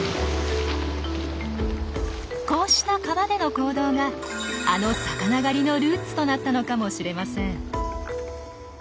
こうした川での行動があの魚狩りのルーツとなったのかもしれません。